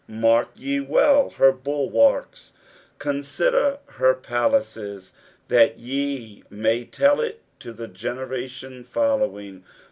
13 Mark ye well her bulwarks, consider her palaces ; that ye may tell it to the generation following.